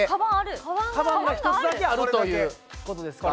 カバンが１つだけあるという事ですか。